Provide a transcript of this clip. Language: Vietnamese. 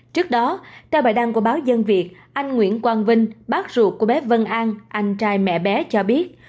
trước đó theo bài đăng của báo dân việt anh nguyễn quang vinh bác ruột của bé vân an anh trai mẹ bé cho biết